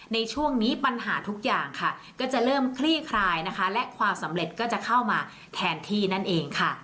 ในช่วงนี้ปัญหาทุกอย่างค่ะก็จะเริ่มคลี่คลายนะคะและความสำเร็จก็จะเข้ามาแทนที่นั่นเองค่ะ